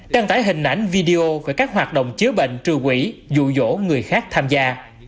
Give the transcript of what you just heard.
đăng tải hình ảnh video về các hoạt động chứa bệnh trừ quỹ dụ dỗ người khác tham gia